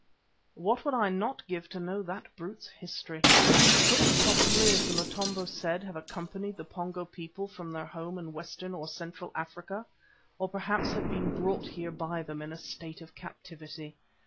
What would I not give to know that brute's history? Could it possibly, as the Motombo said, have accompanied the Pongo people from their home in Western or Central Africa, or perhaps have been brought here by them in a state of captivity?